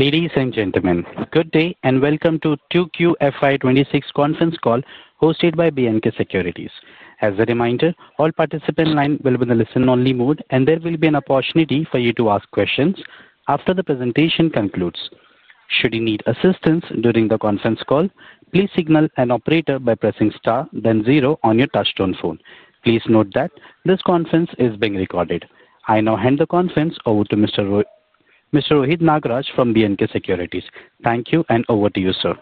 Ladies and gentlemen, good day and welcome to 2QFI26 conference call hosted by B&K Securities. As a reminder, all participants in the line will be in a listen-only mode, and there will be an opportunity for you to ask questions after the presentation concludes. Should you need assistance during the conference call, please signal an operator by pressing star, then zero on your touch-tone phone. Please note that this conference is being recorded. I now hand the conference over to Mr. Rohit Nagaraj from B&K Securities. Thank you, and over to you, sir.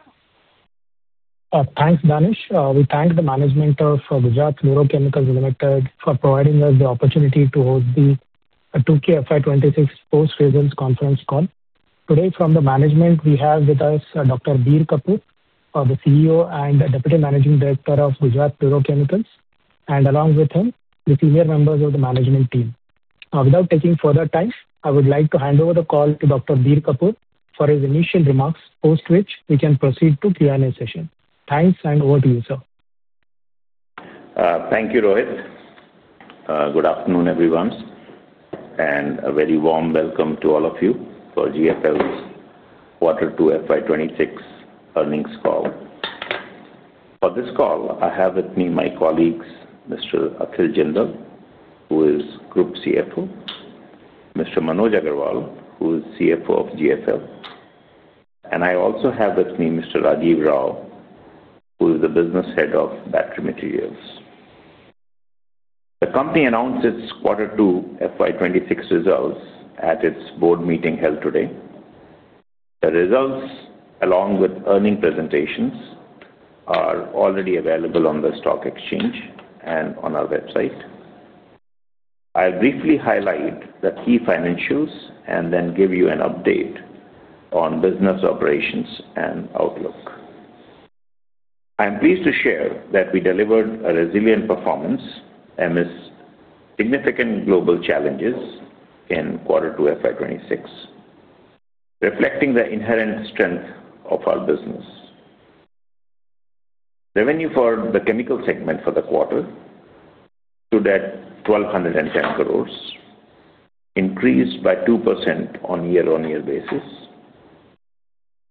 Thanks, Danish. We thank the management of Gujarat Fluorochemicals, Nilesh Mehta, for providing us the opportunity to host the 2QFI26 post-results conference call. Today, from the management, we have with us Dr. Bir Kapoor, the CEO and Deputy Managing Director of Gujarat Fluorochemicals, and along with him, the senior members of the management team. Without taking further time, I would like to hand over the call to Dr. Bir Kapoor for his initial remarks, post which we can proceed to the Q&A session. Thanks, and over to you, sir. Thank you, Rohit. Good afternoon, everyone, and a very warm welcome to all of you for GFL's Quarter Two FY26 earnings call. For this call, I have with me my colleagues, Mr. Athil Jindal, who is Group CFO; Mr. Manoj Agrawal, who is CFO of GFL; and I also have with me Mr. Rajiv Rao, who is the Business Head of Battery Materials. The company announced its Quarter Two FY26 results at its board meeting held today. The results, along with earnings presentations, are already available on the stock exchange and on our website. I'll briefly highlight the key financials and then give you an update on business operations and outlook. I'm pleased to share that we delivered a resilient performance amidst significant global challenges in Quarter Two FY26, reflecting the inherent strength of our business. Revenue for the chemical segment for the quarter stood at 1,210 crore, increased by 2% on a year-on-year basis.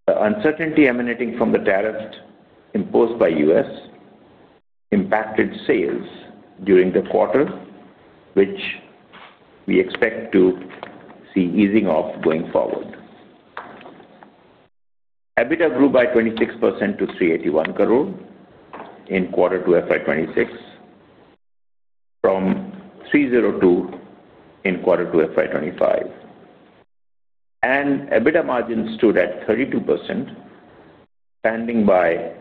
The uncertainty emanating from the tariffs imposed by the U.S. impacted sales during the quarter, which we expect to see easing off going forward. EBITDA grew by 26% to 381 crore in Quarter Two FY26, from 302 crore in Quarter Two FY25. EBITDA margins stood at 32%, standing by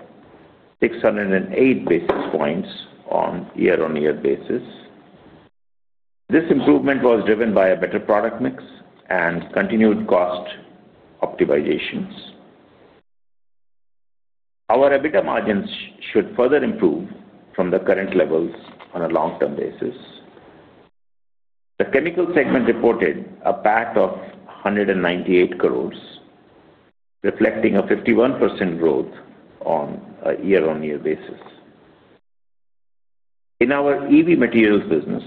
608 basis points on a year-on-year basis. This improvement was driven by a better product mix and continued cost optimizations. Our EBITDA margins should further improve from the current levels on a long-term basis. The chemical segment reported a PAT of 198 crore, reflecting a 51% growth on a year-on-year basis. In our EV materials business,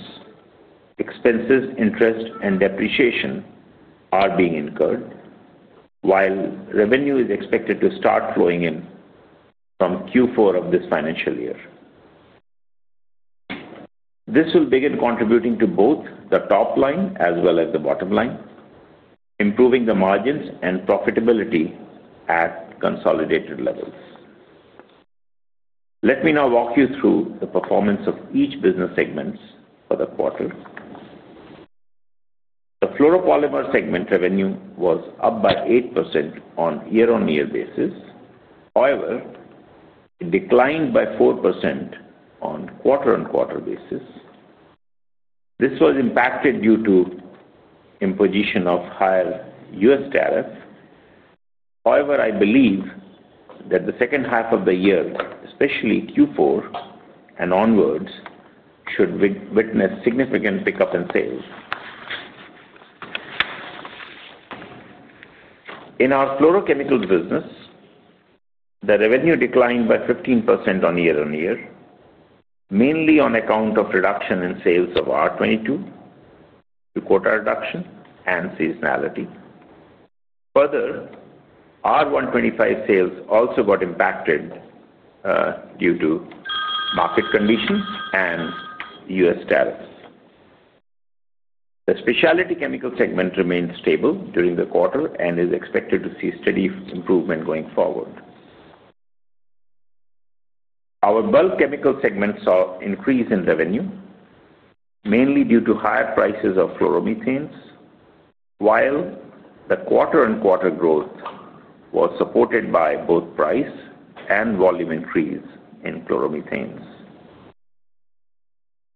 expenses, interest, and depreciation are being incurred, while revenue is expected to start flowing in from Q4 of this financial year. This will begin contributing to both the top line as well as the bottom line, improving the margins and profitability at consolidated levels. Let me now walk you through the performance of each business segment for the quarter. The fluoropolymer segment revenue was up by 8% on a year-on-year basis. However, it declined by 4% on a quarter-on-quarter basis. This was impacted due to the imposition of higher US tariffs. However, I believe that the second half of the year, especially Q4 and onwards, should witness significant pickup in sales. In our fluorochemicals business, the revenue declined by 15% on a year-on-year, mainly on account of the reduction in sales of R22 due to quarter reduction and seasonality. Further, R125 sales also got impacted due to market conditions and US tariffs. The specialty chemical segment remained stable during the quarter and is expected to see steady improvement going forward. Our bulk chemical segment saw an increase in revenue, mainly due to higher prices of fluoromethanes, while the quarter-on-quarter growth was supported by both price and volume increase in fluoromethanes.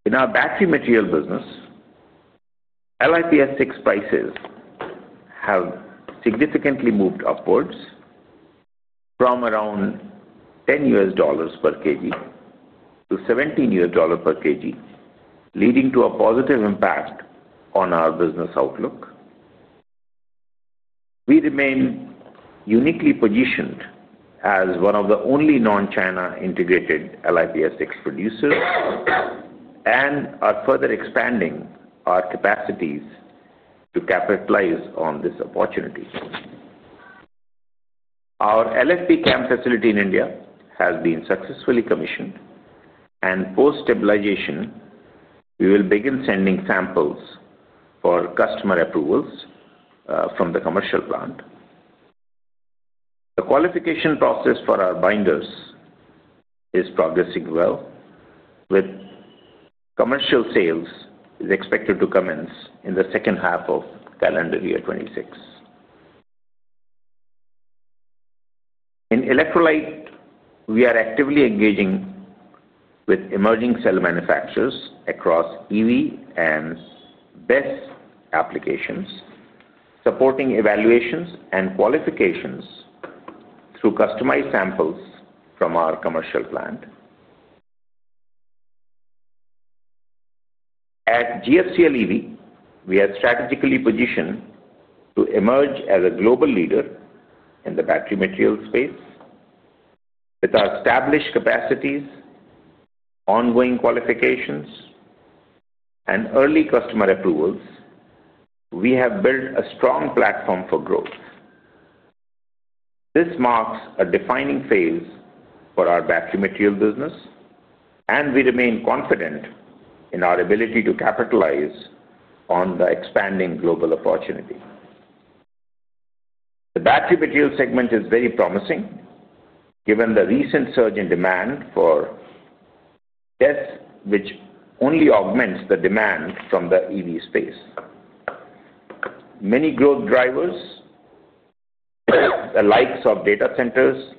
In our battery materials business, LiPF6 prices have significantly moved upwards from around $10 per kg-$17 per kg, leading to a positive impact on our business outlook. We remain uniquely positioned as one of the only non-China integrated LiPF6 producers and are further expanding our capacities to capitalize on this opportunity. Our LFP CAM facility in India has been successfully commissioned, and post-stabilization, we will begin sending samples for customer approvals from the commercial plant. The qualification process for our binders is progressing well, with commercial sales expected to commence in the second half of calendar year 2026. In electrolyte, we are actively engaging with emerging cell manufacturers across EV and BESS applications, supporting evaluations and qualifications through customized samples from our commercial plant. At Gujarat Fluorochemicals, we are strategically positioned to emerge as a global leader in the battery materials space. With our established capacities, ongoing qualifications, and early customer approvals, we have built a strong platform for growth. This marks a defining phase for our battery materials business, and we remain confident in our ability to capitalize on the expanding global opportunity. The battery materials segment is very promising given the recent surge in demand for BESS, which only augments the demand from the EV space. Many growth drivers, the likes of data centers,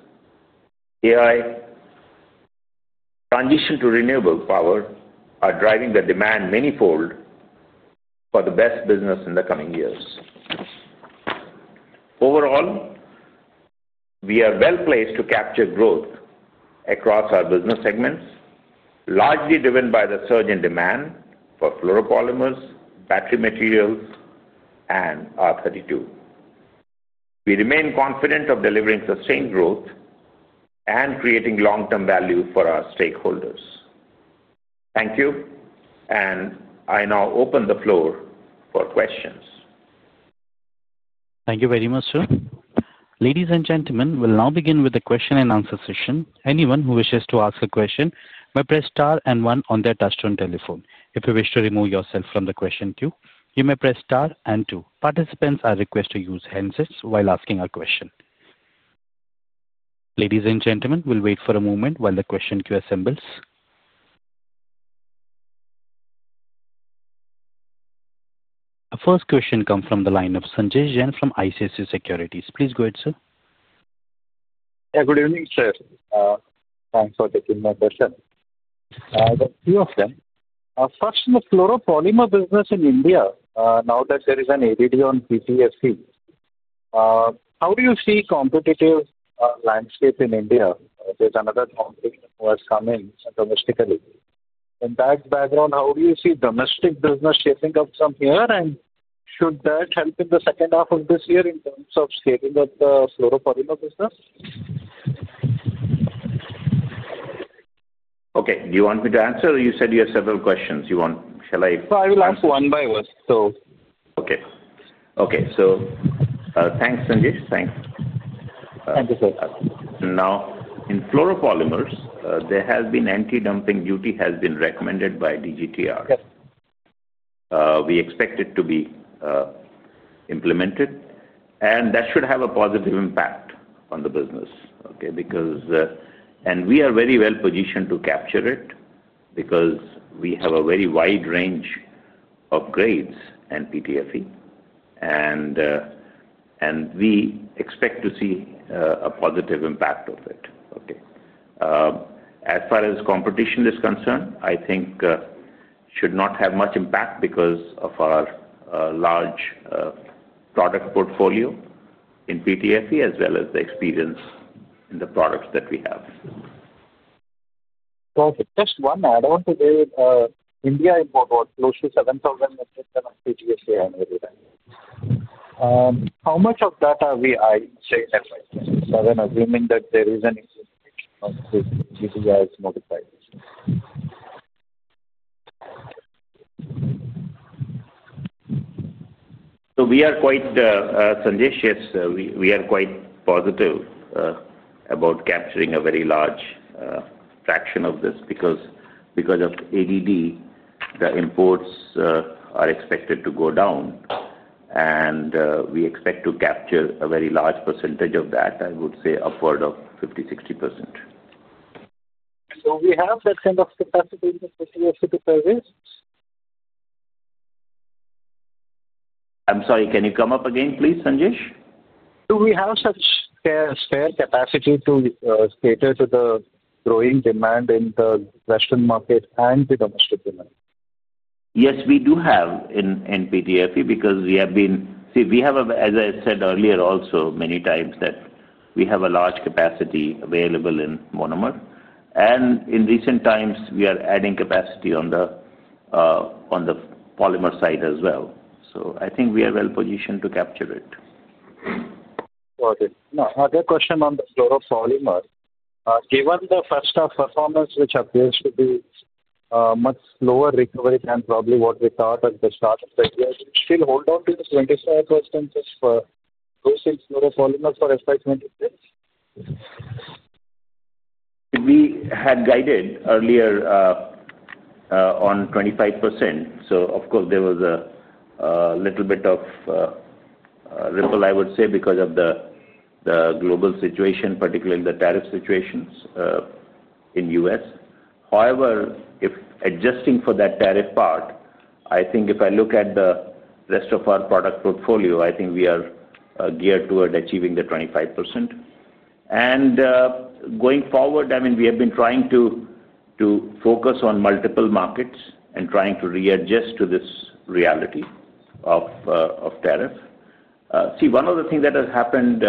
AI, and transition to renewable power, are driving the demand manifold for the BESS business in the coming years. Overall, we are well placed to capture growth across our business segments, largely driven by the surge in demand for fluoropolymer battery materials and R32. We remain confident in delivering sustained growth and creating long-term value for our stakeholders. Thank you, and I now open the floor for questions. Thank you very much, sir. Ladies and gentlemen, we'll now begin with the question-and-answer session. Anyone who wishes to ask a question may press star and one on their touch-tone telephone. If you wish to remove yourself from the question queue, you may press star and two. Participants are requested to use handsets while asking a question. Ladies and gentlemen, we'll wait for a moment while the question queue assembles. Our first question comes from the line of Sanjay Jain from ICICI Securities. Please go ahead, sir. Yeah, good evening, sir. Thanks for taking my question. I have a few of them. First, in the fluoropolymer business in India, now that there is an ADD on PTFE, how do you see the competitive landscape in India? There's another company who has come in domestically. In that background, how do you see domestic business shaping up from here, and should that help in the second half of this year in terms of shaping up the fluoropolymer business? Okay. Do you want me to answer, or you said you have several questions? Shall I? No, I will answer one by one, so. Okay. Okay. Thanks, Sanjay. Thanks. Thank you, sir. Now, in fluoropolymer, anti-dumping duty has been recommended by DGTR. We expect it to be implemented, and that should have a positive impact on the business, okay? We are very well positioned to capture it because we have a very wide range of grades and PTFE, and we expect to see a positive impact of it, okay? As far as competition is concerned, I think it should not have much impact because of our large product portfolio in PTFE as well as the experience in the products that we have. Just one add-on to the India import workflow: 7,000 metric tons of PTFE annually. How much of that are we eyeing straight away, assuming that there is an increase in PTFE modification? Yes, Sanjay, we are quite positive about capturing a very large fraction of this because of ADD. The imports are expected to go down, and we expect to capture a very large percentage of that, I would say upward of 50-60%. We have that kind of capacity to service. I'm sorry, can you come up again, please, Sanjay? Do we have such a spare capacity to cater to the growing demand in the Western market and the domestic demand? Yes, we do have in PTFE because we have been—see, we have, as I said earlier also many times, that we have a large capacity available in monomer. In recent times, we are adding capacity on the polymer side as well. I think we are well positioned to capture it. Got it. Now, another question on the fluoropolymer. Given the first-half performance, which appears to be much slower recovery than probably what we thought at the start of the year, would you still hold on to the 25% just for producing fluoropolymer for FY26? We had guided earlier on 25%. Of course, there was a little bit of ripple, I would say, because of the global situation, particularly the tariff situations in the U.S. However, adjusting for that tariff part, I think if I look at the rest of our product portfolio, I think we are geared toward achieving the 25%. Going forward, I mean, we have been trying to focus on multiple markets and trying to readjust to this reality of tariff. See, one of the things that has happened,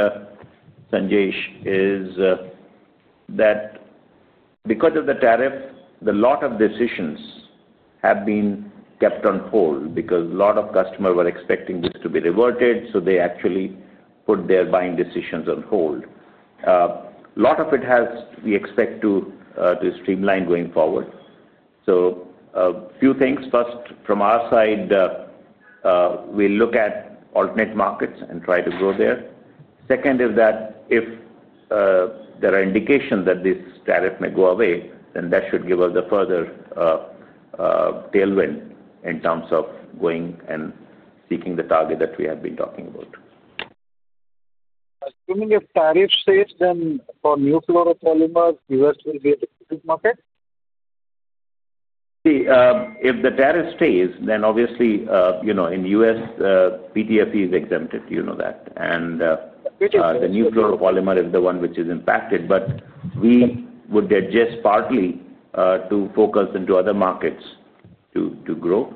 Sanjay, is that because of the tariff, a lot of decisions have been kept on hold because a lot of customers were expecting this to be reverted, so they actually put their buying decisions on hold. A lot of it we expect to streamline going forward. A few things. First, from our side, we'll look at alternate markets and try to grow there. Second, if there are indications that this tariff may go away, then that should give us a further tailwind in terms of going and seeking the target that we have been talking about. Assuming if tariff stays, then for new fluoropolymer, the U.S. will be a different market? See, if the tariff stays, then obviously in the U.S., PTFE is exempted. You know that. And the new fluoropolymer is the one which is impacted, but we would adjust partly to focus into other markets to grow.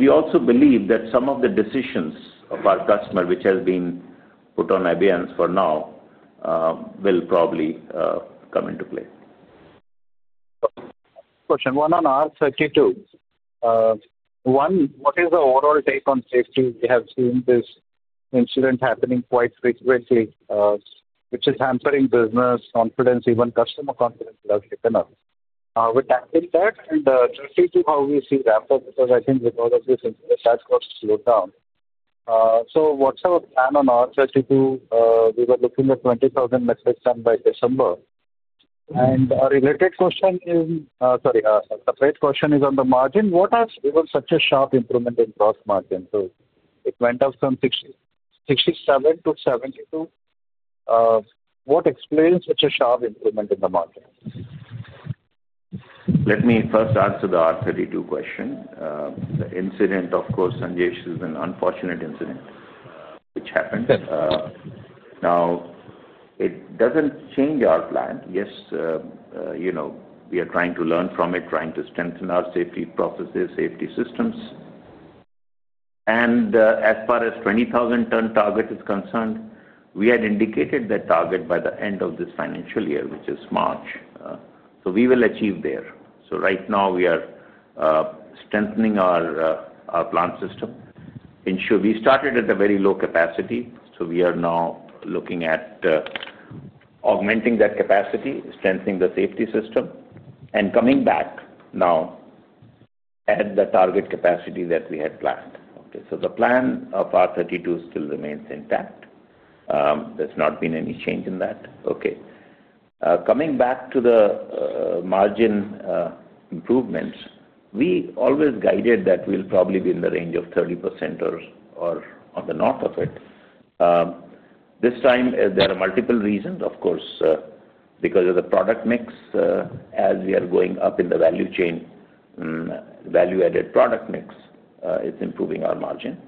We also believe that some of the decisions of our customers, which have been put on advance for now, will probably come into play. Question one on R32. One, what is the overall take on safety? We have seen this incident happening quite frequently, which is hampering business confidence, even customer confidence, largely enough. Would that be that? And just due to how we see that, because I think with all of this incident, that's going to slow down. What is our plan on R32? We were looking at 20,000 metric tons by December. A related question is, sorry, a separate question is on the margin. What has given such a sharp improvement in gross margin? It went up from 67% to 72%. What explains such a sharp improvement in the market? Let me first answer the R32 question. The incident, of course, Sanjay, is an unfortunate incident which happened. It does not change our plan. Yes, we are trying to learn from it, trying to strengthen our safety processes, safety systems. As far as the 20,000-ton target is concerned, we had indicated that target by the end of this financial year, which is March. We will achieve there. Right now, we are strengthening our plant system. We started at a very low capacity, so we are now looking at augmenting that capacity, strengthening the safety system, and coming back now at the target capacity that we had planned. The plan of R32 still remains intact. There has not been any change in that. Coming back to the margin improvements, we always guided that we'll probably be in the range of 30% or on the north of it. This time, there are multiple reasons, of course, because of the product mix. As we are going up in the value chain, the value-added product mix is improving our margin.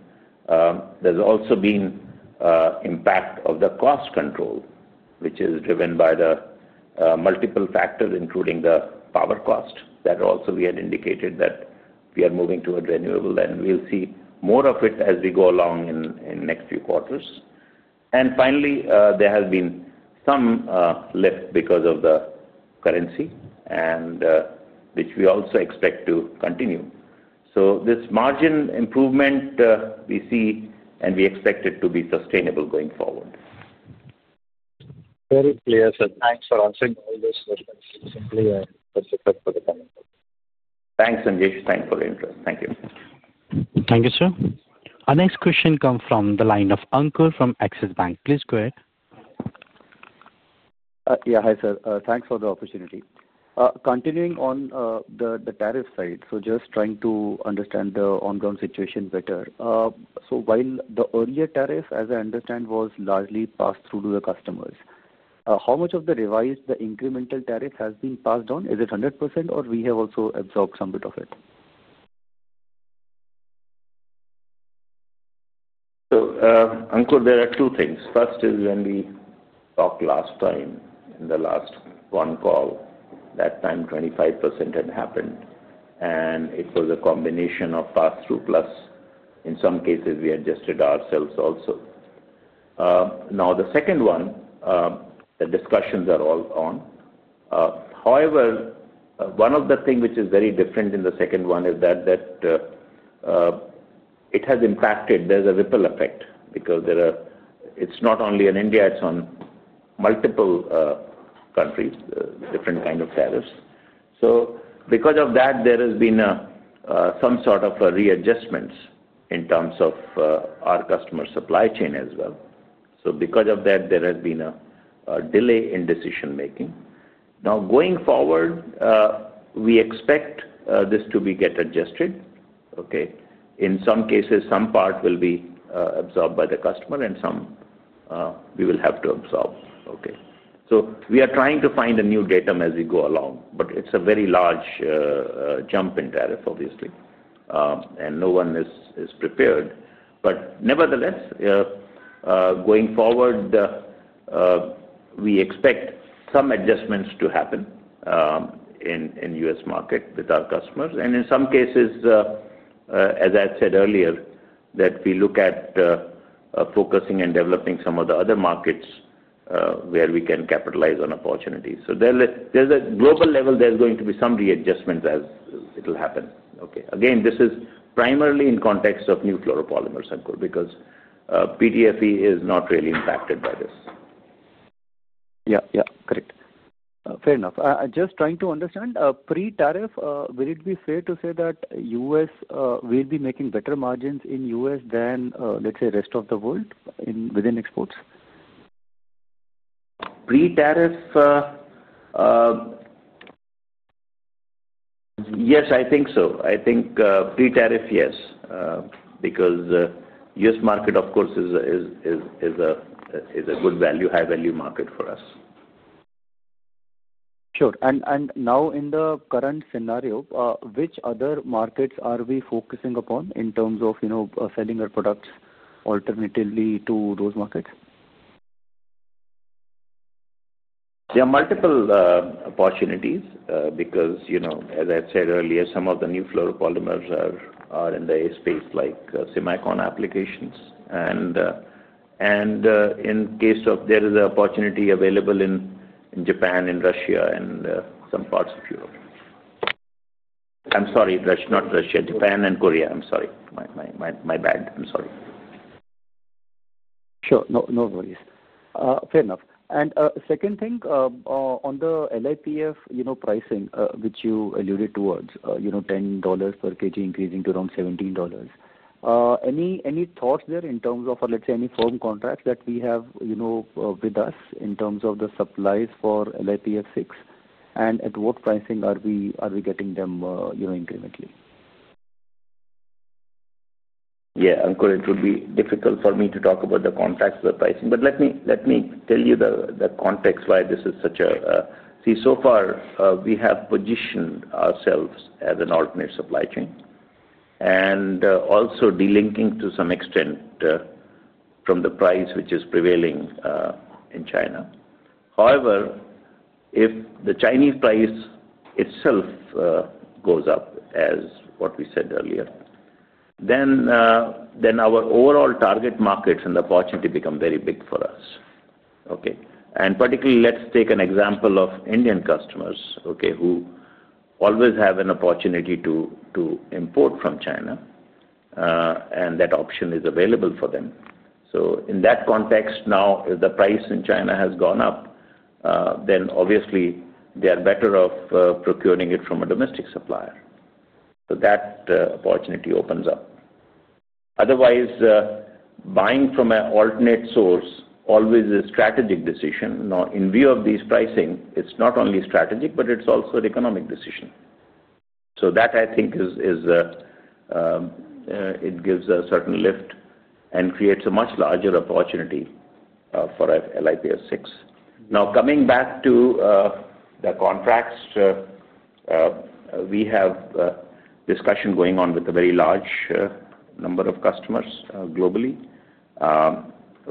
There's also been an impact of the cost control, which is driven by the multiple factors, including the power cost, that also we had indicated that we are moving toward renewable, and we'll see more of it as we go along in the next few quarters. Finally, there has been some lift because of the currency, which we also expect to continue. This margin improvement, we see, and we expect it to be sustainable going forward. Very clear, sir. Thanks for answering all those questions. Simply a specific for the comment. Thanks, Sanjay. Thanks for the interest. Thank you. Thank you, sir. Our next question comes from the line of Ankur Agarwal from Axis Bank. Please go ahead. Yeah, hi sir. Thanks for the opportunity. Continuing on the tariff side, just trying to understand the ongoing situation better. While the earlier tariff, as I understand, was largely passed through to the customers, how much of the revised, the incremental tariff has been passed on? Is it 100%, or have we also absorbed some bit of it? Ankur, there are two things. First is when we talked last time in the last one call, that time 25% had happened, and it was a combination of pass-through plus, in some cases, we adjusted ourselves also. Now, the second one, the discussions are all on. However, one of the things which is very different in the second one is that it has impacted, there's a ripple effect because it's not only in India, it's on multiple countries, different kinds of tariffs. Because of that, there has been some sort of readjustments in terms of our customer supply chain as well. Because of that, there has been a delay in decision-making. Now, going forward, we expect this to be adjusted, okay? In some cases, some part will be absorbed by the customer, and some we will have to absorb. Okay. We are trying to find a new datum as we go along, but it's a very large jump in tariff, obviously, and no one is prepared. Nevertheless, going forward, we expect some adjustments to happen in the US market with our customers. In some cases, as I had said earlier, we look at focusing and developing some of the other markets where we can capitalize on opportunities. At a global level, there are going to be some readjustments as it'll happen. Okay. Again, this is primarily in the context of new fluoropolymers, Ankur, because PTFE is not really impacted by this. Yeah, yeah. Correct. Fair enough. Just trying to understand, pre-tariff, will it be fair to say that US will be making better margins in the US than, let's say, the rest of the world within exports? Pre-tariff, yes, I think so. I think pre-tariff, yes, because the U.S. market, of course, is a good value, high-value market for us. Sure. In the current scenario, which other markets are we focusing upon in terms of selling our products alternatively to those markets? There are multiple opportunities because, as I said earlier, some of the new fluoropolymer are in the A space, like Semicon applications. And in case there is an opportunity available in Japan, in Korea, and some parts of Europe. I'm sorry, not Japan, Japan and Korea. I'm sorry. My bad. I'm sorry. Sure. No worries. Fair enough. Second thing, on the LiPF6 pricing, which you alluded towards, $10 per kg increasing to around $17. Any thoughts there in terms of, let's say, any firm contracts that we have with us in terms of the supplies for LiPF6? At what pricing are we getting them incrementally? Yeah, Ankur, it would be difficult for me to talk about the contracts and the pricing, but let me tell you the context why this is such a—see, so far, we have positioned ourselves as an alternate supply chain and also delinking to some extent from the price which is prevailing in China. However, if the Chinese price itself goes up, as what we said earlier, then our overall target markets and the opportunity become very big for us. Okay. Particularly, let's take an example of Indian customers, okay, who always have an opportunity to import from China, and that option is available for them. In that context, now, if the price in China has gone up, then obviously they are better off procuring it from a domestic supplier. That opportunity opens up. Otherwise, buying from an alternate source always is a strategic decision. Now, in view of this pricing, it's not only strategic, but it's also an economic decision. That, I think, gives a certain lift and creates a much larger opportunity for LiPF6. Now, coming back to the contracts, we have discussions going on with a very large number of customers globally.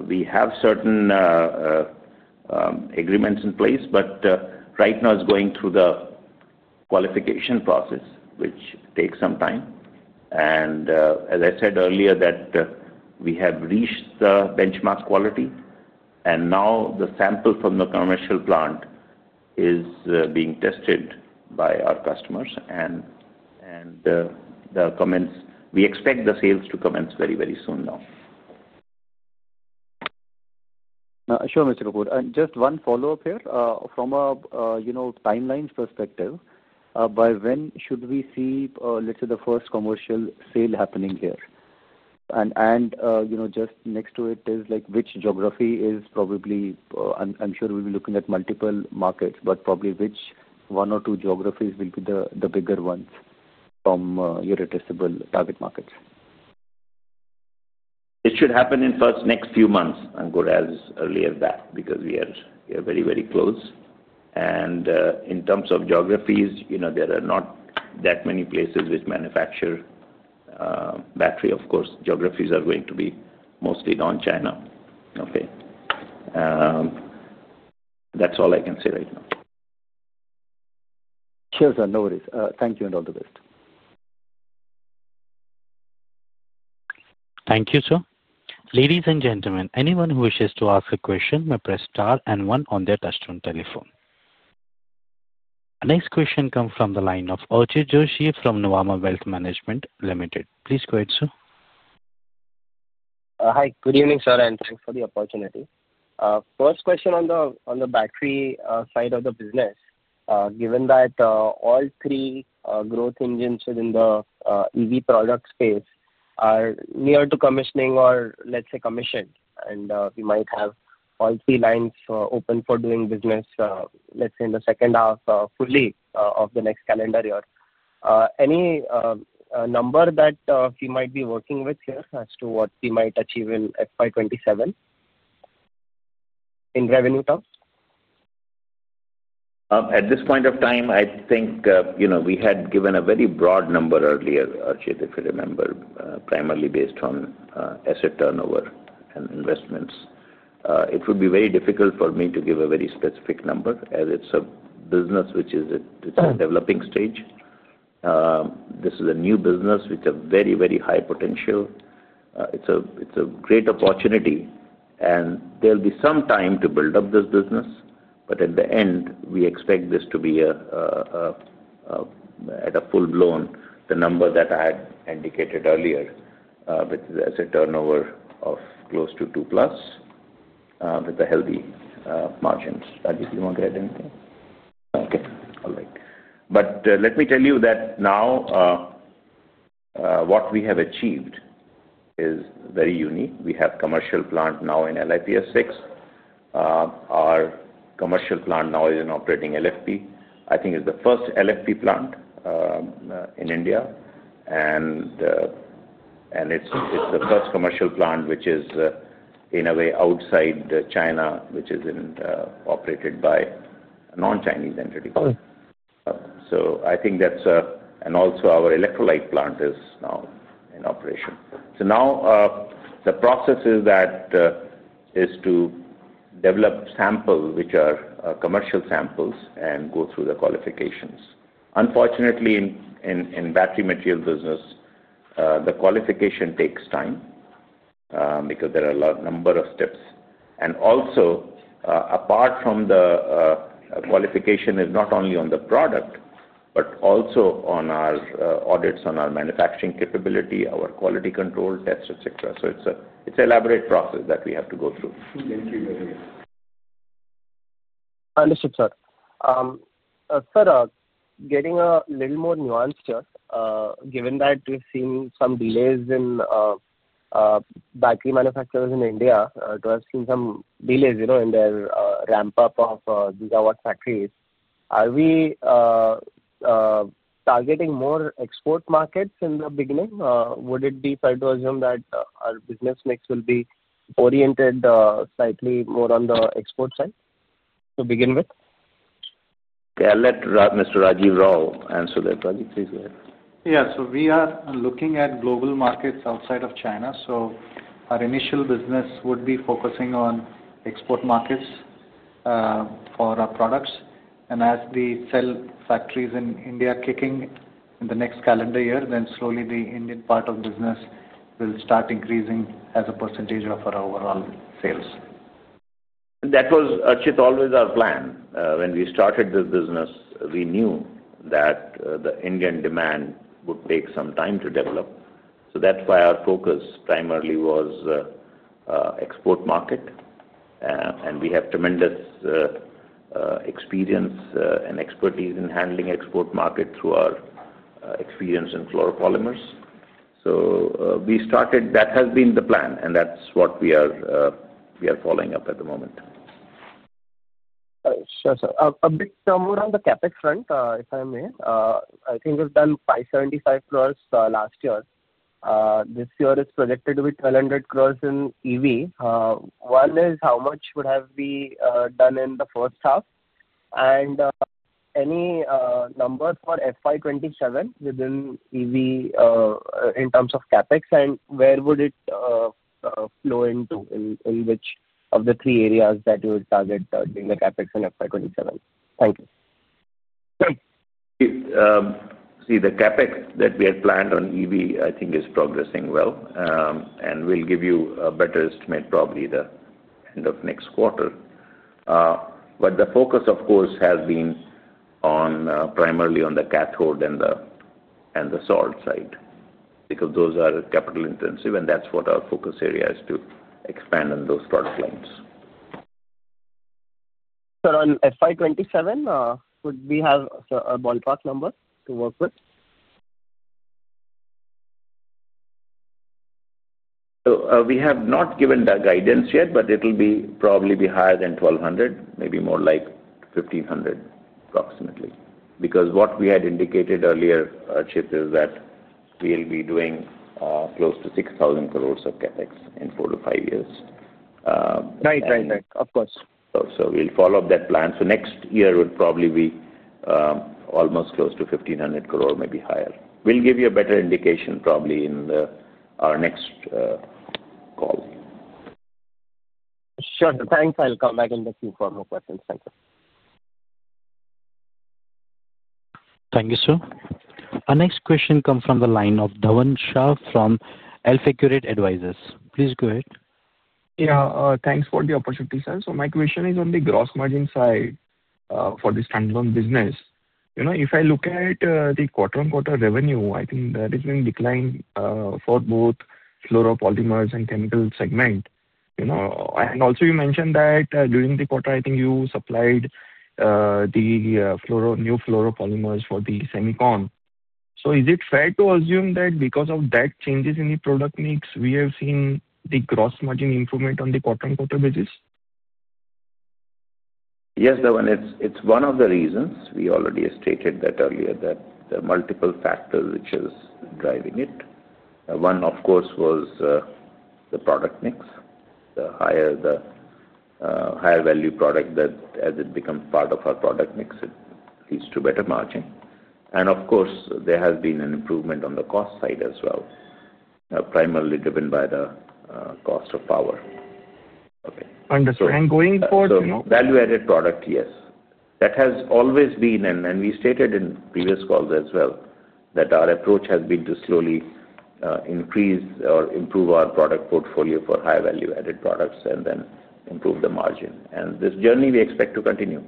We have certain agreements in place, but right now, it's going through the qualification process, which takes some time. As I said earlier, we have reached the benchmark quality, and now the sample from the commercial plant is being tested by our customers, and we expect the sales to commence very, very soon now. Now, sure, Mr. Kapoor, just one follow-up here. From a timeline perspective, by when should we see, let's say, the first commercial sale happening here? Just next to it is which geography is probably—I am sure we will be looking at multiple markets, but probably which one or two geographies will be the bigger ones from your addressable target markets? It should happen in the next few months, Ankur, as early as that, because we are very, very close. In terms of geographies, there are not that many places which manufacture battery. Of course, geographies are going to be mostly non-China. Okay. That's all I can say right now. Sure, sir. No worries. Thank you, and all the best. Thank you, sir. Ladies and gentlemen, anyone who wishes to ask a question may press star and one on their touch-on telephone. Next question comes from the line of Archit Joshi from Nuvama Wealth Management Limited. Please go ahead, sir. Hi. Good evening, sir, and thanks for the opportunity. First question on the battery side of the business. Given that all three growth engines within the EV product space are near to commissioning or, let's say, commissioned, and we might have all three lines open for doing business, let's say, in the second half fully of the next calendar year, any number that we might be working with here as to what we might achieve in FY27 in revenue terms? At this point of time, I think we had given a very broad number earlier, Archit, if you remember, primarily based on asset turnover and investments. It would be very difficult for me to give a very specific number, as it's a business which is in a developing stage. This is a new business with a very, very high potential. It's a great opportunity, and there will be some time to build up this business, but at the end, we expect this to be at a full-blown, the number that I had indicated earlier, with asset turnover of close to 2 plus with a healthy margin. Do you want to add anything? Okay. All right. Let me tell you that now what we have achieved is very unique. We have a commercial plant now in LiPF6. Our commercial plant now is an operating LFP. I think it's the first LFP plant in India, and it's the first commercial plant which is, in a way, outside China, which is operated by a non-Chinese entity. I think that's—and also, our electrolyte plant is now in operation. Now, the process is to develop samples which are commercial samples and go through the qualifications. Unfortunately, in the battery material business, the qualification takes time because there are a number of steps. Also, apart from the qualification, it's not only on the product, but also on our audits, on our manufacturing capability, our quality control tests, etc. It's an elaborate process that we have to go through. Thank you very much. Understood, sir. Sir, getting a little more nuanced here, given that we've seen some delays in battery manufacturers in India, to have seen some delays in their ramp-up of gigawatt factories, are we targeting more export markets in the beginning? Would it be fair to assume that our business mix will be oriented slightly more on the export side to begin with? Okay. I'll let Mr. Rajiv Rao answer that. Rajiv, please go ahead. Yeah. We are looking at global markets outside of China. Our initial business would be focusing on export markets for our products. As the cell factories in India kick in the next calendar year, then slowly the Indian part of the business will start increasing as a percentage of our overall sales. That was, Archit, always our plan. When we started this business, we knew that the Indian demand would take some time to develop. That is why our focus primarily was export market, and we have tremendous experience and expertise in handling export markets through our experience in fluoropolymer. We started—that has been the plan, and that is what we are following up at the moment. Sure, sir. A bit somewhere on the CapEx front, if I may, I think we've done 575 crore last year. This year, it's projected to be 1,200 crore in EV. One is how much would have we done in the first half? Any number for FY 2027 within EV in terms of CapEx, and where would it flow into in which of the three areas that you would target during the CapEx and FY 2027? Thank you. See, the CapEx that we had planned on EV, I think, is progressing well, and we'll give you a better estimate probably at the end of next quarter. The focus, of course, has been primarily on the cathode and the solid side because those are capital-intensive, and that's what our focus area is to expand on those product lines. Sir, on FY27, would we have a ballpark number to work with? We have not given the guidance yet, but it'll probably be higher than 1,200, maybe more like 1,500 approximately. Because what we had indicated earlier, Archit, is that we'll be doing close to 6,000 crore of CapEx in four to five years. Right, right, right. Of course. We'll follow up that plan. Next year would probably be almost close to 1,500 crore, maybe higher. We'll give you a better indication probably in our next call. Sure. Thanks. I'll come back in the queue for more questions. Thank you. Thank you, sir. Our next question comes from the line of Dhavan Shah from AlfAccurate Advisors. Please go ahead. Yeah. Thanks for the opportunity, sir. My question is on the gross margin side for this standalone business. If I look at the quarter-on-quarter revenue, I think there has been a decline for both fluoropolymer and chemical segment. Also, you mentioned that during the quarter, I think you supplied the new fluoropolymer for the Semicon. Is it fair to assume that because of that changes in the product mix, we have seen the gross margin improvement on the quarter-on-quarter basis? Yes, Dhawan. It's one of the reasons. We already stated that earlier that there are multiple factors which are driving it. One, of course, was the product mix. The higher-value product, as it becomes part of our product mix, it leads to better margin. There has been an improvement on the cost side as well, primarily driven by the cost of power. Okay. Understood. Going forward. Value-added product, yes. That has always been, and we stated in previous calls as well, that our approach has been to slowly increase or improve our product portfolio for high-value-added products and then improve the margin. This journey we expect to continue.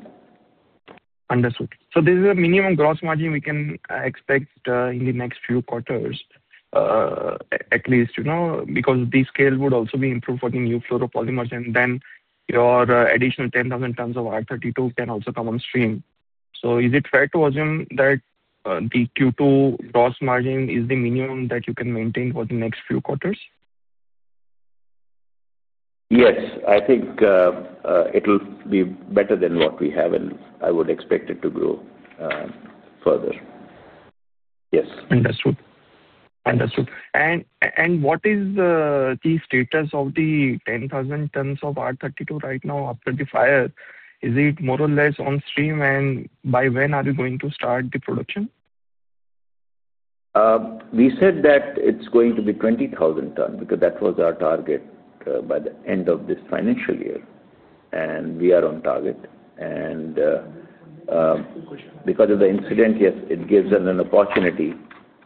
Understood. So this is the minimum gross margin we can expect in the next few quarters, at least, because the scale would also be improved for the new fluoropolymer. Then your additional 10,000 tons of R32 can also come on stream. Is it fair to assume that the Q2 gross margin is the minimum that you can maintain for the next few quarters? Yes. I think it'll be better than what we have, and I would expect it to grow further. Yes. Understood. Understood. What is the status of the 10,000 tons of R32 right now after the fire? Is it more or less on stream, and by when are you going to start the production? We said that it's going to be 20,000 tons because that was our target by the end of this financial year, and we are on target. Because of the incident, yes, it gives us an opportunity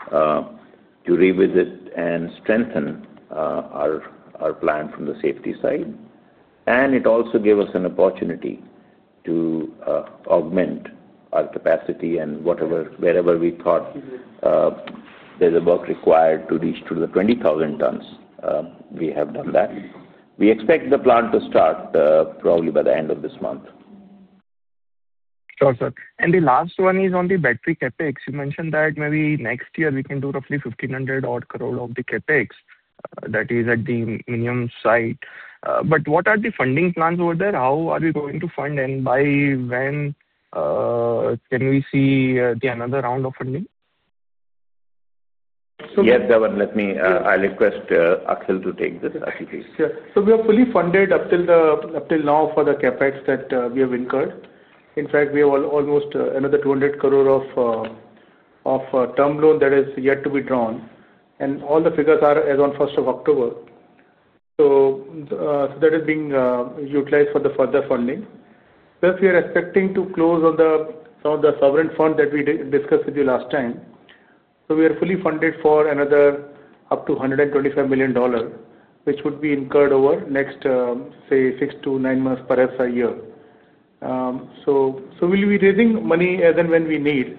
to revisit and strengthen our plan from the safety side. It also gave us an opportunity to augment our capacity, and wherever we thought there's work required to reach to the 20,000 tons, we have done that. We expect the plan to start probably by the end of this month. Sure, sir. The last one is on the battery CapEx. You mentioned that maybe next year we can do roughly 1,500 crore of the CapEx, that is at the minimum side. What are the funding plans over there? How are we going to fund, and by when can we see another round of funding? Yes, Dhawan, I'll request Akhil to take this. Sure. We are fully funded up till now for the CapEx that we have incurred. In fact, we have almost another 200 crore of term loan that has yet to be drawn. All the figures are as of 1st of October. That is being utilized for the further funding. If we are expecting to close on some of the sovereign funds that we discussed with you last time, we are fully funded for another up to $125 million, which would be incurred over the next six to nine months, perhaps a year. We will be raising money as and when we need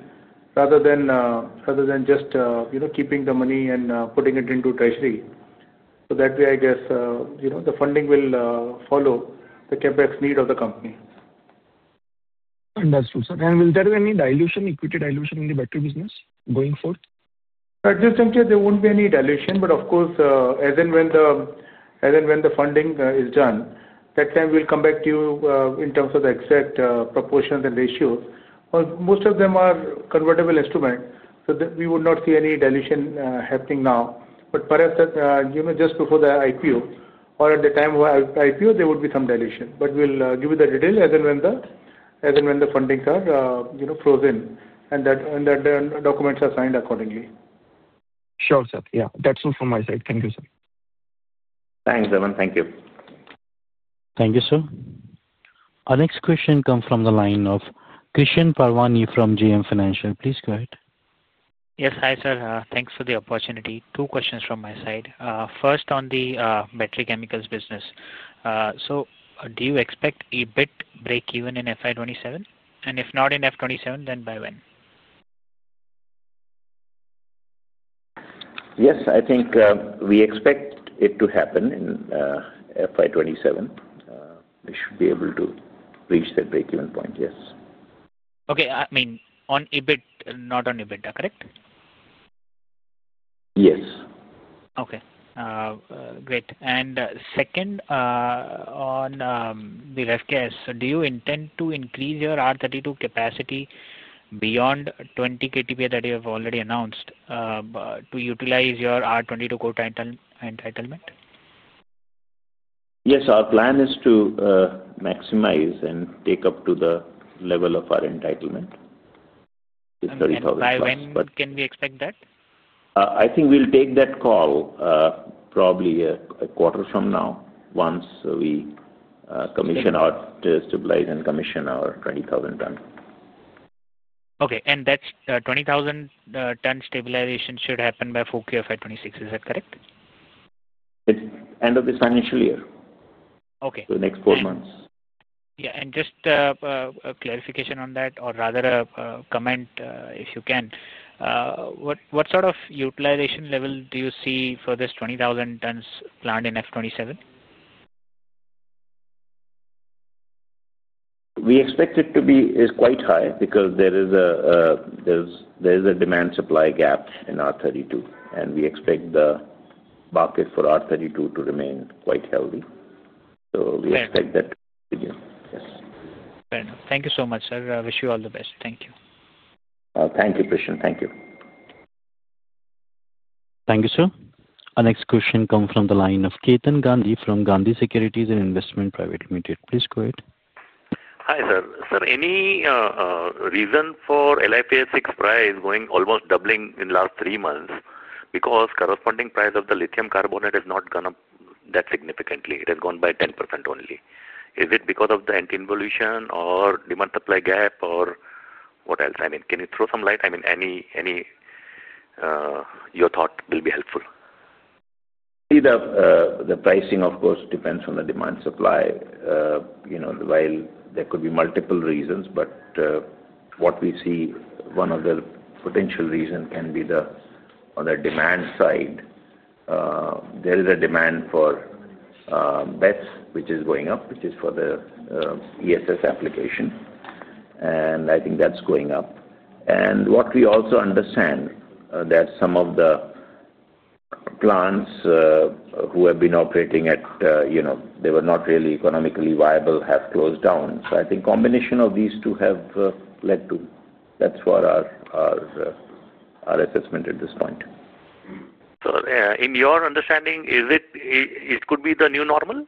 rather than just keeping the money and putting it into treasury. That way, I guess the funding will follow the CapEx need of the company. Understood, sir. Will there be any equity dilution in the battery business going forward? I just think there won't be any dilution. Of course, as and when the funding is done, that time we'll come back to you in terms of the exact proportions and ratios. Most of them are convertible instruments, so we would not see any dilution happening now. Perhaps just before the IPO or at the time of IPO, there would be some dilution. We'll give you the details as and when the fundings are frozen and the documents are signed accordingly. Sure, sir. Yeah. That's all from my side. Thank you, sir. Thanks, Dhawan. Thank you. Thank you, sir. Our next question comes from the line of Krishan Parvani from JM Financial. Please go ahead. Yes. Hi, sir. Thanks for the opportunity. Two questions from my side. First, on the battery chemicals business. Do you expect EBIT break-even in FY27? If not in FY27, then by when? Yes. I think we expect it to happen in FY 2027. We should be able to reach that break-even point, yes. Okay. I mean, not on EBITDA, correct? Yes. Okay. Great. Second, on the ref gas, do you intend to increase your R32 capacity beyond 20 KTPA that you have already announced to utilize your R22 co-entitlement? Yes. Our plan is to maximize and take up to the level of our entitlement, which is 30,000 tons. By when can we expect that? I think we'll take that call probably a quarter from now once we stabilize and commission our 20,000 tons. Okay. That 20,000-ton stabilization should happen by Q4 of FY26. Is that correct? It's end of this financial year, so next four months. Yeah. And just a clarification on that, or rather a comment if you can. What sort of utilization level do you see for this 20,000-tons plan in FY 2027? We expect it to be quite high because there is a demand-supply gap in R32, and we expect the market for R32 to remain quite healthy. We expect that to continue. Yes. Fair enough. Thank you so much, sir. I wish you all the best. Thank you. Thank you, Krishan. Thank you. Thank you, sir. Our next question comes from the line of Kaitan Gandhi from Gandhi Securities and Investment Private Limited. Please go ahead. Hi, sir. Sir, any reason for LiPF6 price going almost doubling in the last three months? Because corresponding price of the lithium carbonate has not gone up that significantly. It has gone up by 10% only. Is it because of the anti-involution or demand-supply gap or what else? I mean, can you throw some light? I mean, your thought will be helpful. See, the pricing, of course, depends on the demand-supply. There could be multiple reasons, but what we see, one of the potential reasons can be the demand side. There is a demand for BESS, which is going up, which is for the ESS application. I think that's going up. What we also understand is that some of the plants who have been operating at, they were not really economically viable, have closed down. I think a combination of these two has led to that's for our assessment at this point. In your understanding, it could be the new normal,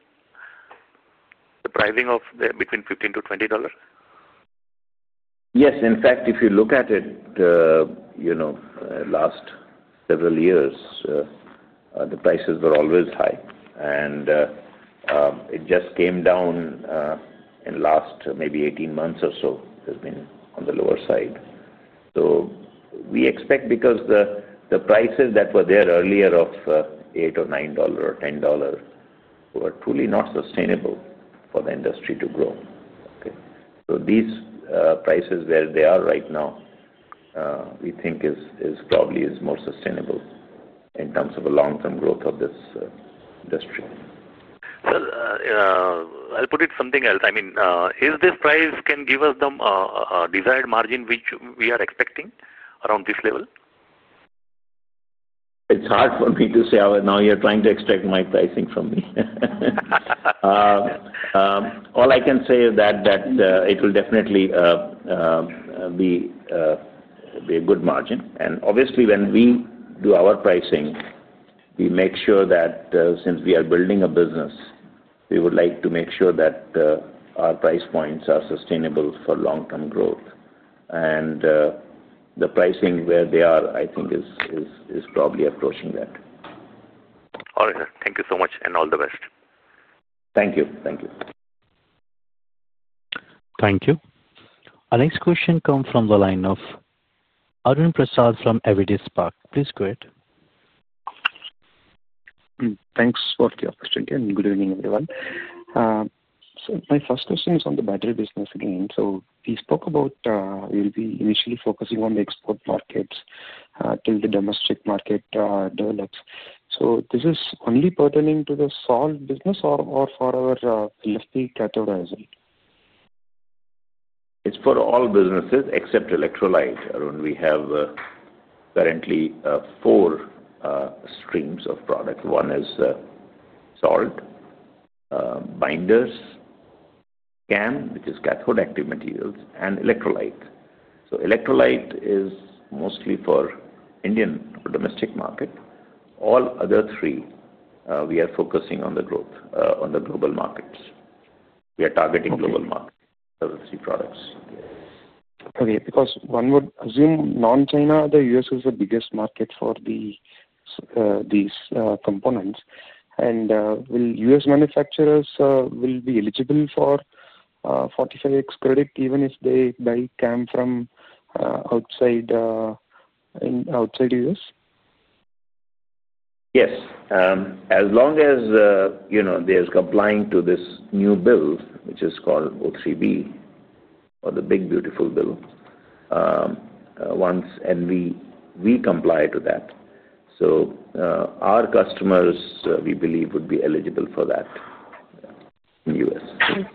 the pricing of between $15 and $20? Yes. In fact, if you look at it, last several years, the prices were always high, and it just came down in the last maybe 18 months or so. It has been on the lower side. We expect because the prices that were there earlier of $8 or $9 or $10 were truly not sustainable for the industry to grow. Okay? These prices where they are right now, we think is probably more sustainable in terms of the long-term growth of this industry. I'll put it something else. I mean, if this price can give us the desired margin which we are expecting around this level? It's hard for me to say. Now you're trying to extract my pricing from me. All I can say is that it will definitely be a good margin. Obviously, when we do our pricing, we make sure that since we are building a business, we would like to make sure that our price points are sustainable for long-term growth. The pricing where they are, I think, is probably approaching that. All right, sir. Thank you so much and all the best. Thank you. Thank you. Thank you. Our next question comes from the line of Anwer Gheddai from Evercore ISI. Please go ahead. Thanks for the opportunity. Good evening, everyone. My first question is on the battery business again. We spoke about we'll be initially focusing on the export markets till the domestic market develops. Is this only pertaining to the salt business or for our LFP categorizing? It's for all businesses except electrolyte, Arun. We have currently four streams of product. One is salt, binders, CAM, which is cathode-active materials, and electrolyte. Electrolyte is mostly for the Indian domestic market. All other three, we are focusing on the global markets. We are targeting global markets for the three products. Okay. Because one would assume non-China, the US is the biggest market for these components. And will US manufacturers be eligible for 45X credit even if they buy CAM from outside the US? Yes. As long as they are complying to this new bill, which is called O3B, or the Big Beautiful Bill, once and we comply to that. Our customers, we believe, would be eligible for that in the US.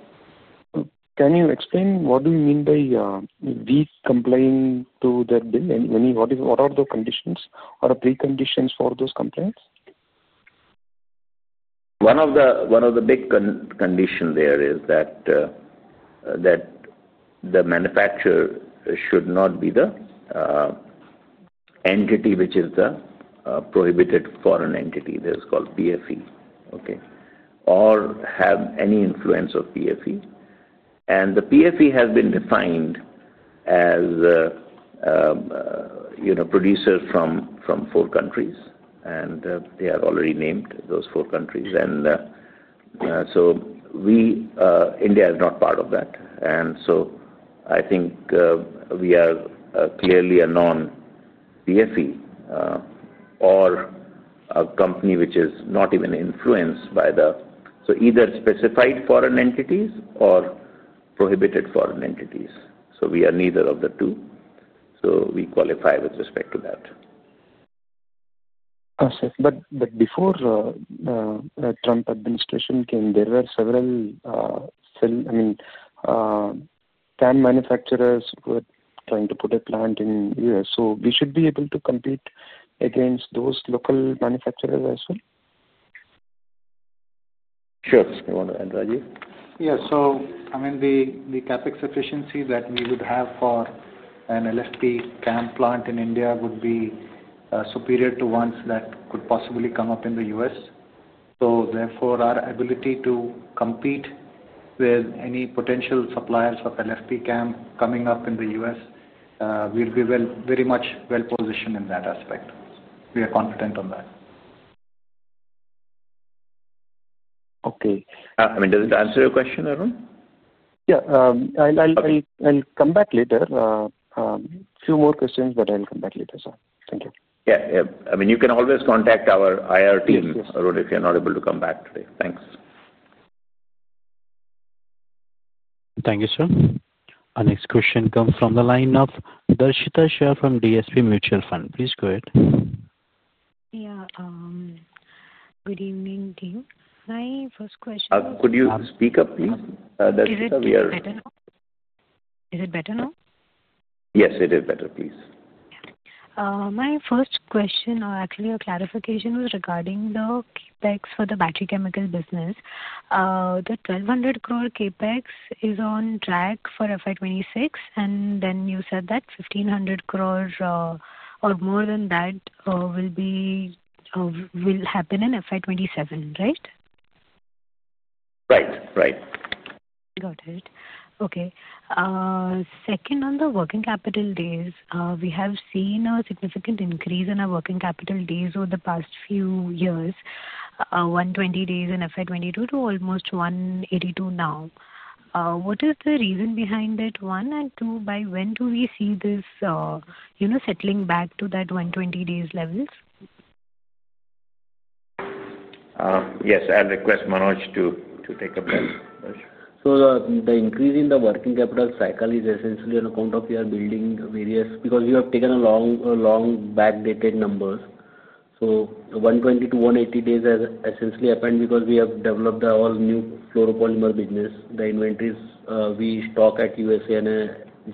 Can you explain what do you mean by we complying to that bill? What are the conditions or preconditions for those compliance? One of the big conditions there is that the manufacturer should not be the entity which is the prohibited foreign entity. That is called PFE, okay, or have any influence of PFE. And the PFE has been defined as producers from four countries, and they are already named those four countries. India is not part of that. I think we are clearly a non-PFE or a company which is not even influenced by the so either specified foreign entities or prohibited foreign entities. We are neither of the two. We qualify with respect to that. Before the Trump administration came, there were several, I mean, CAM manufacturers were trying to put a plant in the US. So we should be able to compete against those local manufacturers as well? Sure. You want to add, Rajiv? Yeah. I mean, the CapEx efficiency that we would have for an LFP CAM plant in India would be superior to ones that could possibly come up in the US. Therefore, our ability to compete with any potential suppliers of LFP CAM coming up in the US, we will be very much well-positioned in that aspect. We are confident on that. Okay. I mean, does it answer your question, Arun? Yeah. I'll come back later. A few more questions, but I'll come back later, sir. Thank you. Yeah. I mean, you can always contact our IR team, Arun, if you're not able to come back today. Thanks. Thank you, sir. Our next question comes from the line of Darshita Shah from DSP Mutual Fund. Please go ahead. Yeah. Good evening, team. My first question. Could you speak up, please? Darshita, we are. Is it better now? Yes, it is better. Please. My first question, or actually a clarification, was regarding the CapEx for the battery chemical business. The 1,200 crore CapEx is on track for FY26, and then you said that 1,500 crore or more than that will happen in FY27, right? Right. Right. Got it. Okay. Second, on the working capital days, we have seen a significant increase in our working capital days over the past few years, 120 days in 2022 to almost 182 now. What is the reason behind that? One, and two, by when do we see this settling back to that 120 days levels? Yes. I'll request Manoj to take a break. The increase in the working capital cycle is essentially on account of we are building various because we have taken long-backdated numbers. 120-180 days has essentially happened because we have developed our new fluoropolymers business. The inventories we stock at USA and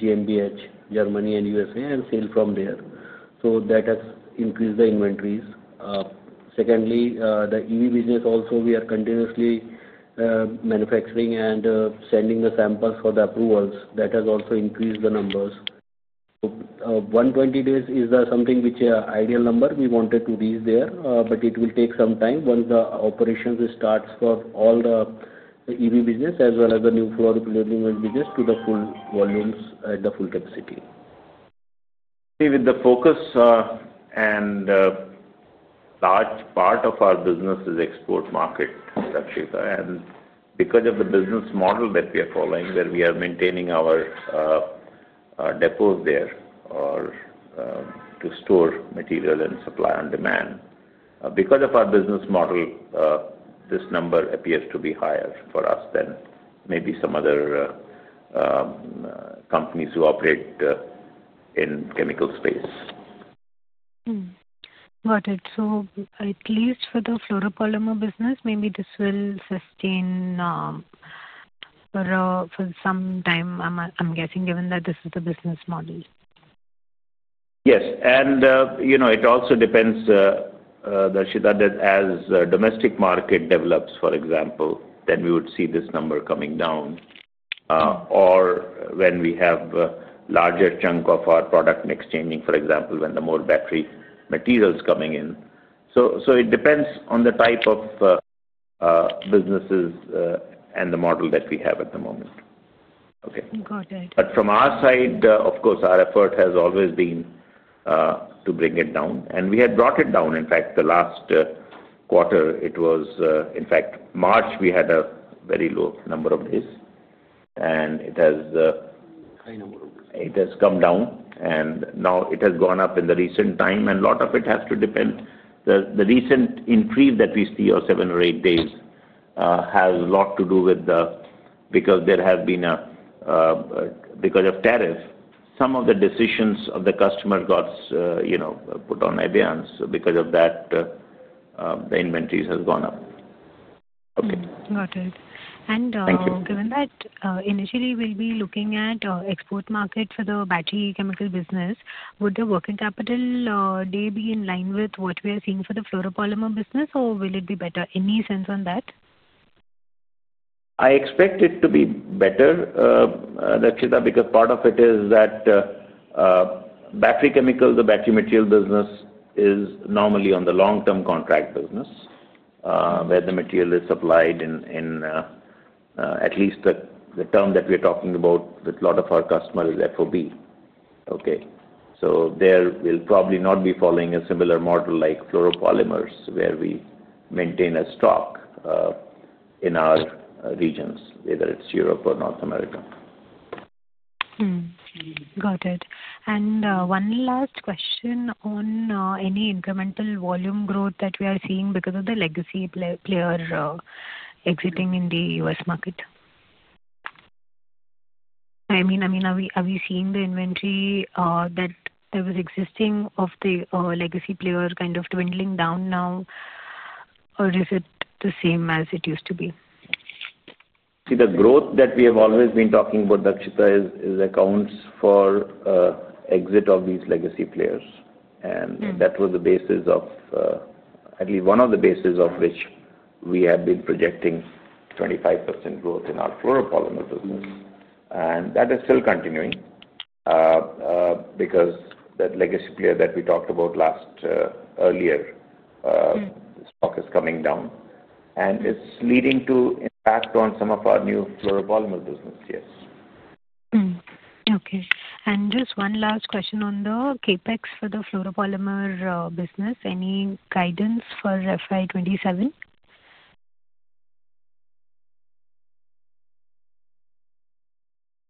GMBH, Germany and USA, and sell from there. That has increased the inventories. Secondly, the EV business also, we are continuously manufacturing and sending the samples for the approvals. That has also increased the numbers. 120 days is something which is an ideal number. We wanted to reach there, but it will take some time once the operations start for all the EV business as well as the new fluoropolymers business to the full volumes at the full capacity. See, with the focus and large part of our business is export market, Darshita. Because of the business model that we are following, where we are maintaining our depots there to store material and supply on demand, because of our business model, this number appears to be higher for us than maybe some other companies who operate in chemical space. Got it. At least for the fluoropolymers business, maybe this will sustain for some time, I'm guessing, given that this is the business model. Yes. It also depends, Darshita, that as the domestic market develops, for example, we would see this number coming down. Or when we have a larger chunk of our product mix changing, for example, with more battery materials coming in. It depends on the type of businesses and the model that we have at the moment. Okay. Got it. From our side, of course, our effort has always been to bring it down. We had brought it down. In fact, the last quarter, it was, in fact, March, we had a very low number of days. It has come down. Now it has gone up in the recent time. A lot of it has to depend. The recent increase that we see of seven or eight days has a lot to do with the, because there has been a, because of tariff, some of the decisions of the customer got put on advance because of that, the inventories have gone up. Okay. Got it. Given that, initially, we'll be looking at export market for the battery chemical business. Would the working capital day be in line with what we are seeing for the fluoropolymers business, or will it be better? Any sense on that? I expect it to be better, Darshita, because part of it is that battery chemicals, the battery material business is normally on the long-term contract business where the material is supplied in at least the term that we are talking about with a lot of our customers is FOB. Okay? There we'll probably not be following a similar model like fluoropolymers where we maintain a stock in our regions, whether it's Europe or North America. Got it. One last question on any incremental volume growth that we are seeing because of the legacy player exiting in the US market. I mean, have you seen the inventory that there was existing of the legacy player kind of dwindling down now, or is it the same as it used to be? See, the growth that we have always been talking about, Darshita, accounts for exit of these legacy players. That was the basis of at least one of the bases of which we have been projecting 25% growth in our fluoropolymers business. That is still continuing because that legacy player that we talked about earlier, the stock is coming down. It is leading to impact on some of our new fluoropolymers business, yes. Okay. Just one last question on the CapEx for the fluoropolymers business. Any guidance for FY 2027?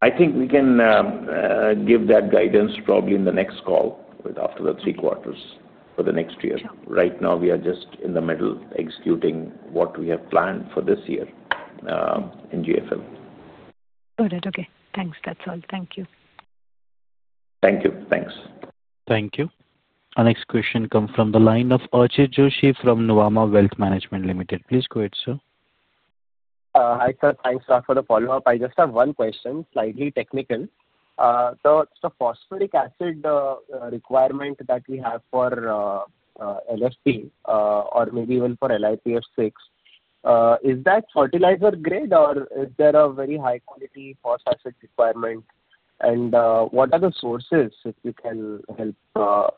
I think we can give that guidance probably in the next call after the three quarters for the next year. Right now, we are just in the middle executing what we have planned for this year in GFL. Got it. Okay. Thanks. That's all. Thank you. Thank you. Thanks. Thank you. Our next question comes from the line of Archit Joshi from Nuvama Wealth Management Limited. Please go ahead, sir. Hi, sir. Thanks for the follow-up. I just have one question, slightly technical. The phosphoric acid requirement that we have for LFP or maybe even for LiPF6, is that fertilizer-grade, or is there a very high-quality phosphoric acid requirement? What are the sources if you can help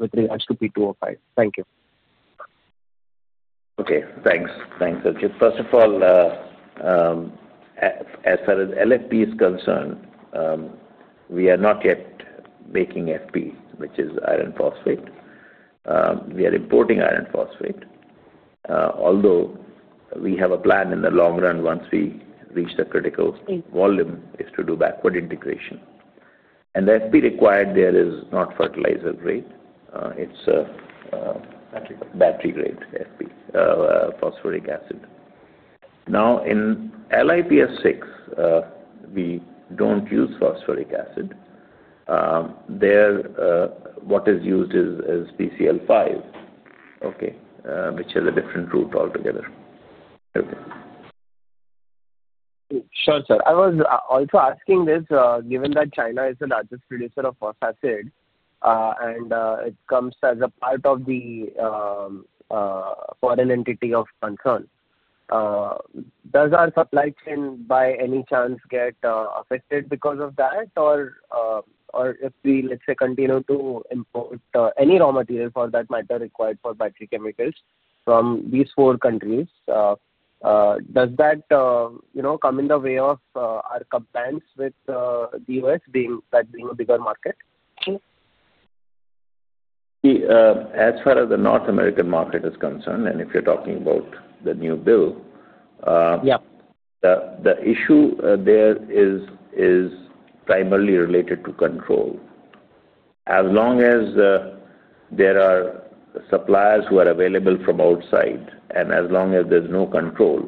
with regards to P2O5? Thank you. Okay. Thanks. Thanks, Archit. First of all, as far as LFP is concerned, we are not yet making FP, which is iron phosphate. We are importing iron phosphate, although we have a plan in the long run once we reach the critical volume is to do backward integration. The FP required there is not fertilizer-grade. It is battery-grade FP, phosphoric acid. Now, in LiPF6, we do not use phosphoric acid. What is used is BCL-5, which is a different route altogether. Sure, sir. I was also asking this, given that China is the largest producer of phosphoric acid, and it comes as a part of the foreign entity of concern. Does our supply chain, by any chance, get affected because of that? Or if we, let's say, continue to import any raw material, for that matter, required for battery chemicals from these four countries, does that come in the way of our compliance with the US being that being a bigger market? See, as far as the North American market is concerned, and if you're talking about the new bill, the issue there is primarily related to control. As long as there are suppliers who are available from outside, and as long as there's no control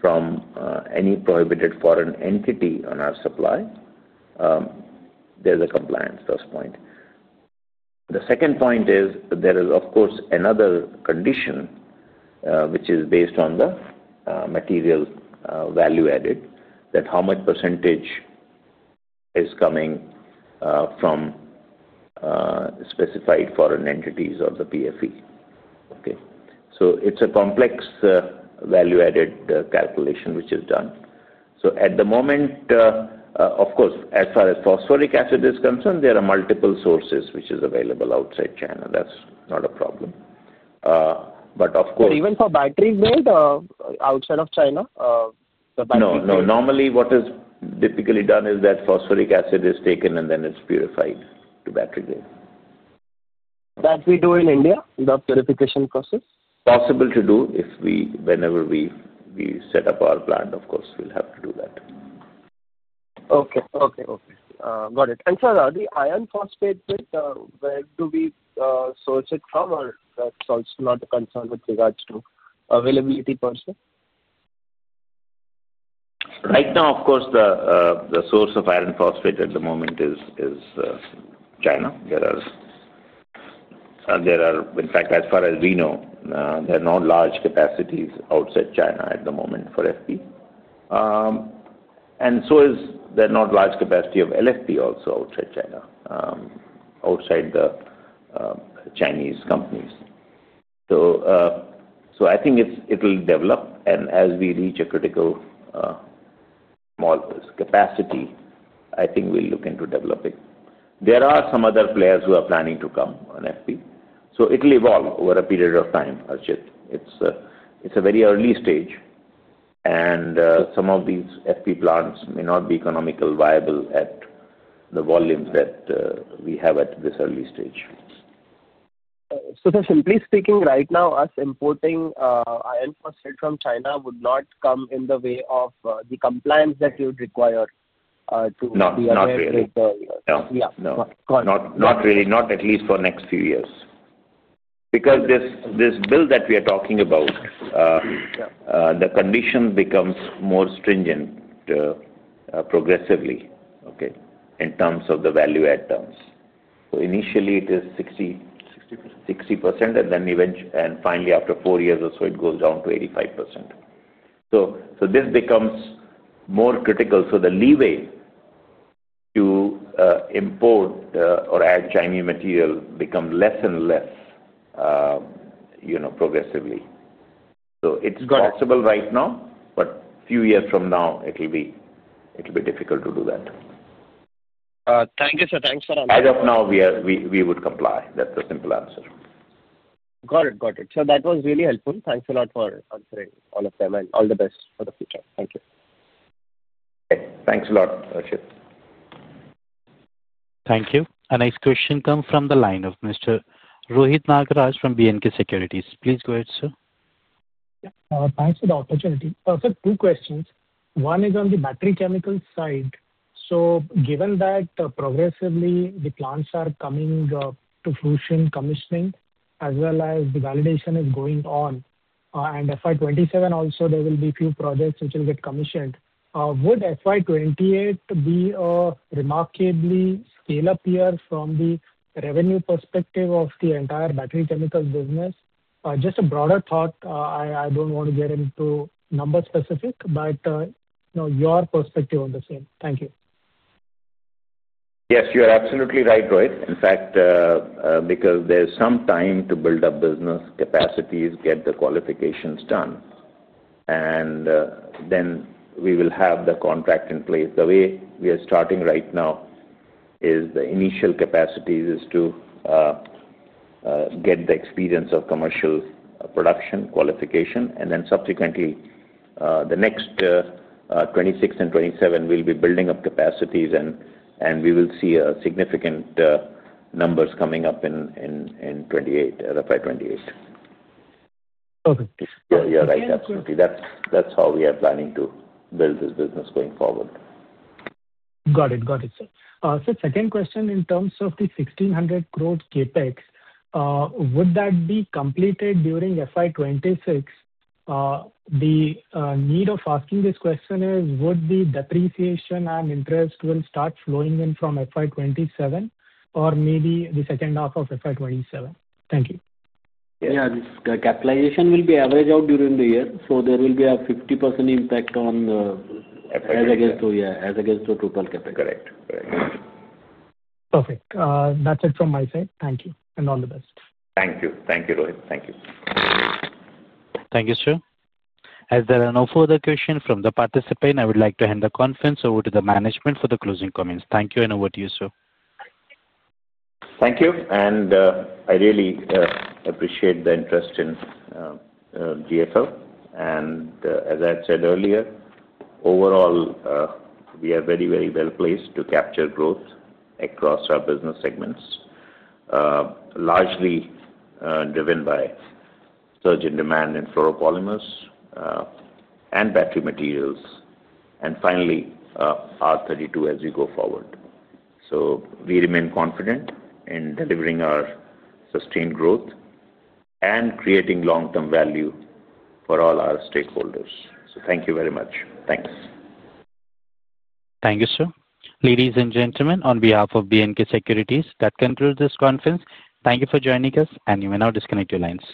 from any prohibited foreign entity on our supply, there's a compliance thus point. The second point is there is, of course, another condition which is based on the material value-added, that how much % is coming from specified foreign entities or the PFE. Okay? So it's a complex value-added calculation which is done. At the moment, of course, as far as phosphoric acid is concerned, there are multiple sources which are available outside China. That's not a problem. Of course. Even for battery-grade, outside of China, the battery-grade? No. Normally, what is typically done is that phosphoric acid is taken, and then it's purified to battery-grade. That we do in India, the purification process? Possible to do. Whenever we set up our plant, of course, we'll have to do that. Okay. Okay. Okay. Got it. Sir, the iron phosphate, where do we source it from? Or that's also not a concern with regards to availability per se? Right now, of course, the source of iron phosphate at the moment is China. There are, in fact, as far as we know, there are no large capacities outside China at the moment for FP. There is not large capacity of LFP also outside China, outside the Chinese companies. I think it will develop. As we reach a critical capacity, I think we will look into developing. There are some other players who are planning to come on FP. It will evolve over a period of time, Archit. It is a very early stage. Some of these FP plants may not be economically viable at the volumes that we have at this early stage. Simply speaking, right now, us importing iron phosphate from China would not come in the way of the compliance that you'd require to be able to take the. Not really. Yeah. Yeah. Got it. Not really. Not at least for the next few years. Because this bill that we are talking about, the condition becomes more stringent progressively, okay, in terms of the value-add terms. So initially, it is 60%. 60%. 60%. Finally, after four years or so, it goes down to 85%. This becomes more critical. The leeway to import or add Chinese material becomes less and less progressively. It is possible right now, but a few years from now, it will be difficult to do that. Thank you, sir. Thanks for answering. As of now, we would comply. That's the simple answer. Got it. Got it. That was really helpful. Thanks a lot for answering all of them. All the best for the future. Thank you. Okay. Thanks a lot, Archit. Thank you. The next question comes from the line of Mr. Rohit Nagaraj from B&K Securities. Please go ahead, sir. Thanks for the opportunity. Two questions. One is on the battery chemical side. Given that progressively the plants are coming to fluorosein commissioning, as well as the validation is going on, and FY27 also, there will be a few projects which will get commissioned, would FY28 be a remarkably scale-up year from the revenue perspective of the entire battery chemicals business? Just a broader thought. I do not want to get into number specific, but your perspective on the same. Thank you. Yes, you are absolutely right, Rohit. In fact, because there is some time to build up business capacities, get the qualifications done, and then we will have the contract in place. The way we are starting right now is the initial capacity is to get the experience of commercial production qualification, and then subsequently, the next 2026 and 2027, we will be building up capacities, and we will see significant numbers coming up in 2028, FY28. Okay. Yeah. You're right. Absolutely. That's how we are planning to build this business going forward. Got it. Got it, sir. Second question, in terms of the 1,600 crore CapEx, would that be completed during FY 2026? The need of asking this question is, would the depreciation and interest will start flowing in from FY 2027, or maybe the second half of FY 2027? Thank you. Yeah. The capitalization will be averaged out during the year. So there will be a 50% impact on. Capitalization. As against the total capital. Correct. Correct. Perfect. That's it from my side. Thank you. All the best. Thank you. Thank you, Rohit. Thank you. Thank you, sir. As there are no further questions from the participants, I would like to hand the conference over to the management for the closing comments. Thank you, and over to you, sir. Thank you. I really appreciate the interest in GFL. As I had said earlier, overall, we are very, very well placed to capture growth across our business segments, largely driven by surge in demand in fluoropolymers and battery materials, and finally, R32 as we go forward. We remain confident in delivering our sustained growth and creating long-term value for all our stakeholders. Thank you very much. Thanks. Thank you, sir. Ladies and gentlemen, on behalf of B&K Securities, that concludes this conference. Thank you for joining us, and you may now disconnect your lines.